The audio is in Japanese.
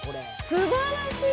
すばらしい！